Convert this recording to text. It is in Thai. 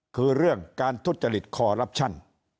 คือเรื่องการทุจริตคอรับชัน